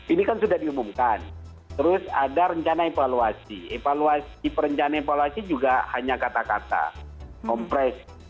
ini kan sudah diumumkan terus ada rencana evaluasi perencanaan evaluasi juga hanya kata kata kompres